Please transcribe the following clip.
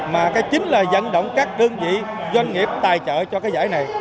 mà chính là dận động các đơn vị doanh nghiệp tài trợ cho cái giải này